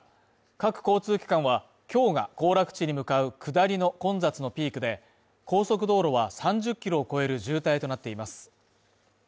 各交通機関は、今日が行楽地に向かう下りの混雑のピークで、高速道路は３０キロを超える渋滞となっています